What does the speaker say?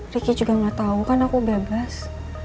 ricky juga gak tahu kan aku bebas